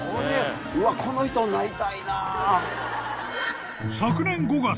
うわこの人になりたいな。